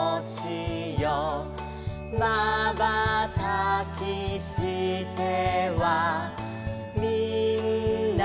「まばたきしてはみんなをみてる」